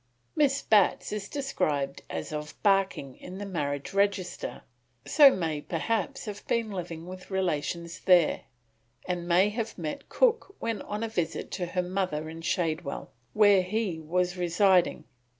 Miss Batts is described as of Barking in the Marriage Register, so may perhaps have been living with relations there, and may have met Cook when on a visit to her mother in Shadwell, where he was residing.